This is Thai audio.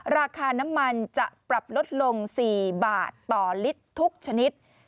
ราคาน้ำมันจะปรับลดลง๔บาทต่อลิตรทุกชนิด